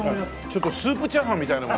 ちょっとスープチャーハンみたいな。